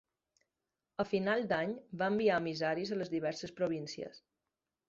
A final d'any va enviar emissaris a les diverses províncies.